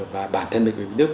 và bản thân bệnh viện đức